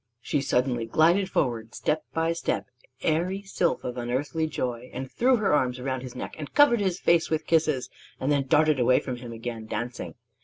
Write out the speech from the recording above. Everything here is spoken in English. She suddenly glided forward step by step, airy sylph of unearthly joy, and threw her arms around his neck and covered his face with kisses, and then darted away from him again, dancing.